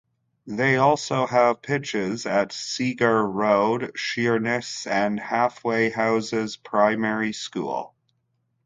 They also have pitches at Seager Road, Sheerness and Halfway Houses Primary School.